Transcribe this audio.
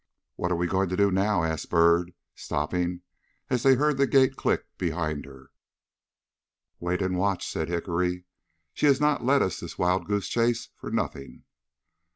"What are we going to do now?" asked Byrd, stopping, as they heard the gate click behind her. "Wait and watch," said Hickory. "She has not led us this wild goose chase for nothing."